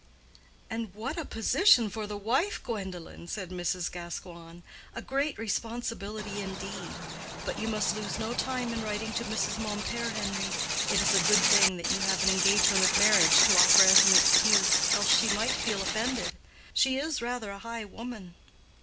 "And what a position for the wife, Gwendolen!" said Mrs. Gascoigne; "a great responsibility indeed. But you must lose no time in writing to Mrs. Mompert, Henry. It is a good thing that you have an engagement of marriage to offer as an excuse, else she might feel offended. She is rather a high woman."